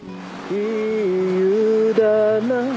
いい湯だな